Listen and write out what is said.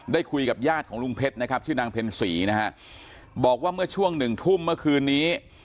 คุยกับญาติของลุงเพชรนะครับชื่อนางเพ็ญศรีนะฮะบอกว่าเมื่อช่วงหนึ่งทุ่มเมื่อคืนนี้